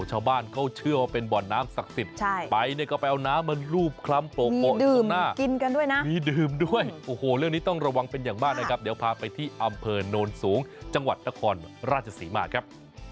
ชาวบ้านเขาเชื่อว่าเป็นบ่อนน้ำศักดิ์สิทธิ์ไปเนี่ยก็ไปเอาน้ำมารูปคล้ำโป่งดื่มหน้ากินกันด้วยนะมีดื่มด้วยโอ้โหเรื่องนี้ต้องระวังเป็นอย่างมากนะครับเดี๋ยวพาไปที่อำเภอโนนสูงจังหวัดนครราชศรีมาครับ